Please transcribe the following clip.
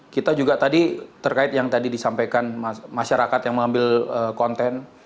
kita juga tadi terkait yang tadi disampaikan masyarakat yang mengambil konten